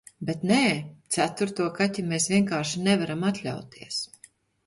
Bet, nē, ceturto kaķi mēs vienkārši nevaram atļauties...